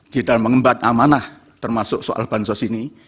di dalam mengembat amanah termasuk soal bansos ini